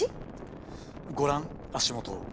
ご覧足元を。